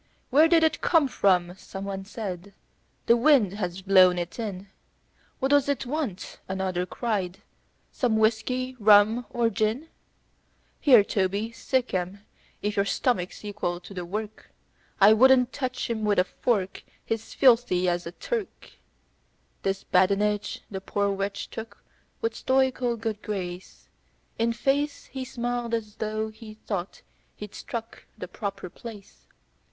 "Where did it come from?" someone said. " The wind has blown it in." "What does it want?" another cried. "Some whiskey, rum or gin?" "Here, Toby, sic 'em, if your stomach's equal to the work I wouldn't touch him with a fork, he's filthy as a Turk." This badinage the poor wretch took with stoical good grace; In face, he smiled as tho' he thought he'd struck the proper place.